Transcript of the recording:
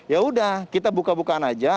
ya udah kita buka bukaan aja